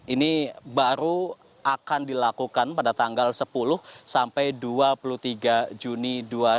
ini baru akan dilakukan pada tanggal sepuluh sampai dua puluh tiga juni dua ribu dua puluh